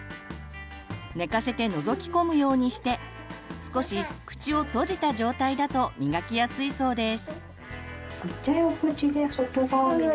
寝かせてのぞき込むようにして少し口を閉じた状態だと磨きやすいそうです。